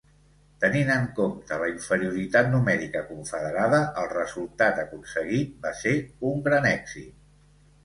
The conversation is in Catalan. Tenint en compte la inferioritat numèrica confederada, el resultat aconseguit va ser un gran èxit.